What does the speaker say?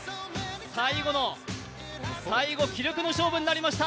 最後の最後、気力の勝負となりました。